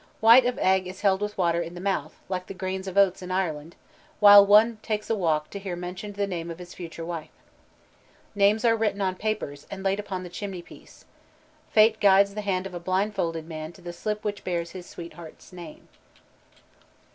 White of egg is held with water in the mouth, like the grains of oats in Ireland, while one takes a walk to hear mentioned the name of his future wife. Names are written on papers, and laid upon the chimney piece. Fate guides the hand of a blindfolded man to the slip which bears his sweetheart's name.